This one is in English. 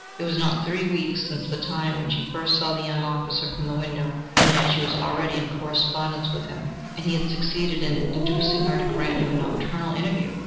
It was not three weeks since the time when she first saw the young officer from the window and yet she was already in correspondence with him, and he had succeeded in inducing her to grant him a nocturnal interview!